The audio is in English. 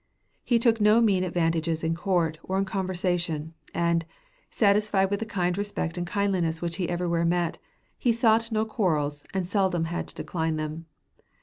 He took no mean advantages in court or in conversation, and, satisfied with the respect and kindliness which he everywhere met, he sought no quarrels and seldom had to decline them.